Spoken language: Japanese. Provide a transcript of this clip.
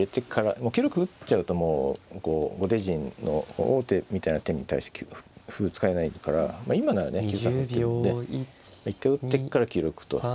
もう９六歩打っちゃうともうこう後手陣の王手みたいな手に対して歩使えないから今ならね９三歩打てるんで一回打ってから９六歩と。